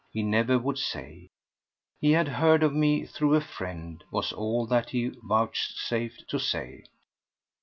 He never would say. He had heard of me through a friend, was all that he vouchsafed to say.